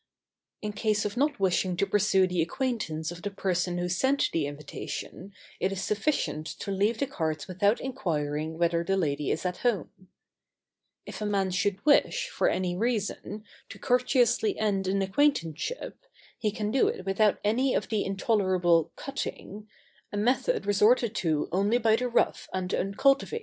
In case of not wishing to pursue the acquaintance of the person who sent the invitation, it is sufficient to leave the cards without inquiring whether the lady is at home. [Sidenote: Terminating an acquaintanceship with courtesy.] If a man should wish, for any reason, to courteously end an acquaintanceship, he can do it without any of the intolerable "cutting," a method resorted to only by the rough and uncultivated.